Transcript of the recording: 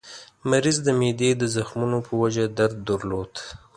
مریض د معدې د زخمونو په وجه درد درلود.